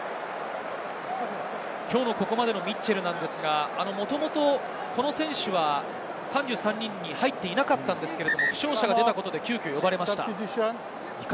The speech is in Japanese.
きょうのここまでのミッチェル、もともとこの選手は、３３人に入っていなかったんですけれど、負傷者が出たことで急きょ呼ばれました。